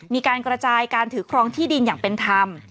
มีการกระจายการถือครองที่ดินอย่างเป็นธรรม